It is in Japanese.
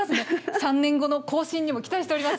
３年後の更新にも期待しております。